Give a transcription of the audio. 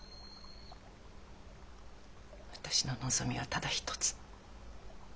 私の望みはただ一つ。